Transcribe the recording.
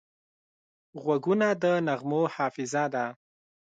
غوږونه د نغمو حافظه ده